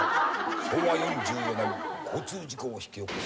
昭和４４年交通事故を引き起こす。